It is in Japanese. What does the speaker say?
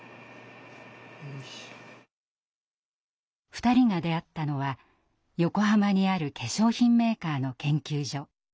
２人が出会ったのは横浜にある化粧品メーカーの研究所。